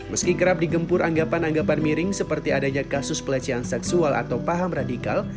meski kerap digempur anggapan anggapan miring seperti adanya kasus pelecehan seksual atau paham radikal